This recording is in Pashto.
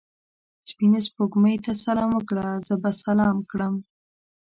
سپینې سپوږمۍ ته سلام وکړه؛ زه به سلام کړم.